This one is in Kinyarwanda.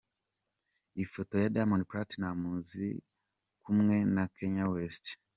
Ifoto ya Diamond Platnumz ari kumwe na Kanye West.